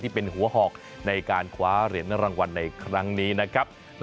เป็นหัวหอกในการคว้าเหรียญรางวัลในครั้งนี้นะครับ